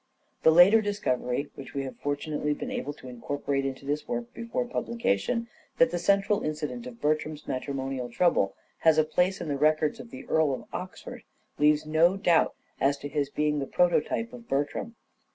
The later discovery, which we have fortunately been able to incorporate into this work before publication, that the central incident of Bertram's matrimonial trouble has a place in the records of the Earl of Oxford, leaves no doubt as to his being the prototype of Bertram.